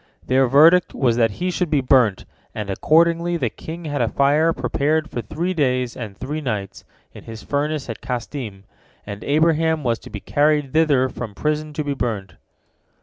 Their verdict was that he should be burnt, and, accordingly, the king had a fire prepared for three days and three nights, in his furnace at Kasdim, and Abraham was to be carried thither from prison to be burnt.